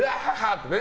ってね。